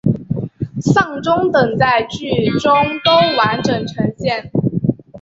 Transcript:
丧钟等在剧中都完整呈现。